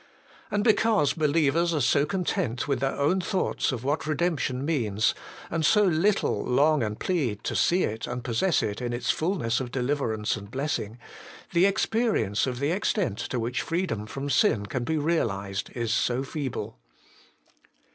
And because believers are so content with their own thoughts of what redemption means, and so little long and plead to see it and possess it in its fulness of deliverance and blessing, the experience of the extent to which the freedom from sin can be realized is so feeble.